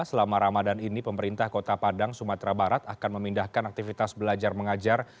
selama ramadan ini pemerintah kota padang sumatera barat akan memindahkan aktivitas belajar mengajar